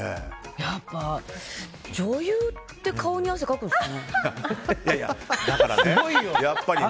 やっぱ女優って顔に汗かくんですかね。